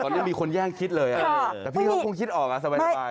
ตอนนี้มีคนแย่งคิดเลยพี่ก็คงคิดออกสบายแล้วอะไร